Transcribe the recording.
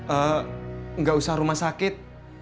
eee gak usah rumah sakit